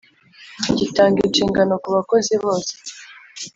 gitanga inshingano ku bakozi bose